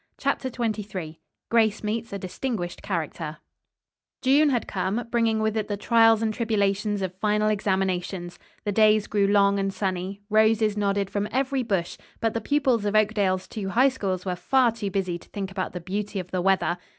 CHAPTER XXIII GRACE MEETS A DISTINGUISHED CHARACTER June had come, bringing with it the trials and tribulations of final examinations. The days grew long and sunny. Roses nodded from every bush, but the pupils of Oakdale's two High Schools were far too busy to think about the beauty of the weather.